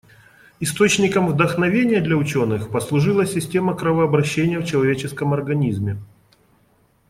Источником вдохновения для учёных послужила система кровообращения в человеческом организме.